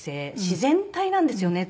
自然体なんですよね